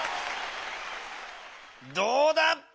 どうだった？